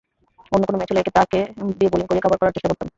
অন্য কোনো ম্যাচ হলে একে-তাকে দিয়ে বোলিং করিয়ে কাভার করার চেষ্টা করতাম।